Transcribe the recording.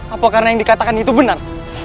apa karena yang dikatakan itu benar